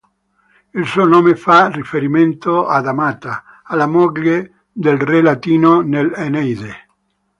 Il suo nome fa riferimento ad Amata, alla moglie del re Latino nell"'Eneide".